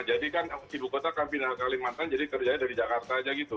jadi kan ibu kota pindah ke kalimantan jadi kerjanya dari jakarta aja gitu